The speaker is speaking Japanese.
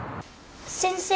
先生